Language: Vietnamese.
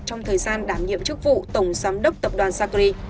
trong thời gian đảm nhiệm chức vụ tổng giám đốc tập đoàn sacri